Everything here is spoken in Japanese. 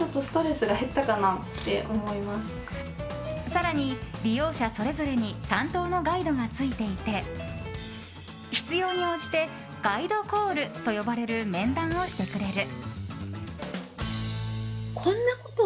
更に、利用者それぞれに担当のガイドがついていて必要に応じてガイドコールと呼ばれる面談をしてくれる。